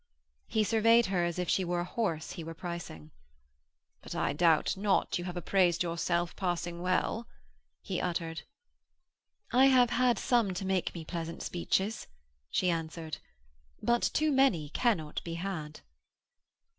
He surveyed her as if she were a horse he were pricing. 'But I doubt not you have appraised yourself passing well,' he uttered. 'I have had some to make me pleasant speeches,' she answered, 'but too many cannot be had.'